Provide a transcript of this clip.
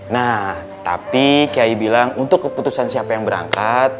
nah tapi kiai bilang untuk keputusan siapa yang berangkat